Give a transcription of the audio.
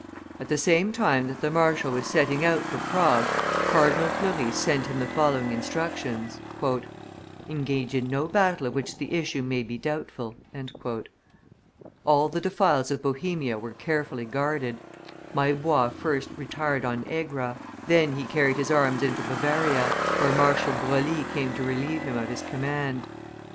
At the same time that the marshal was setting out for Prague, Cardinal Fleury sent him the following instructions: "Engage in no battle of which the issue may be doubtful." All the defiles of Bohemia were carefully guarded; Maillebois first retired on Egra, then he carried his arms into Bavaria, where Marshal Broglie came to relieve him of his command.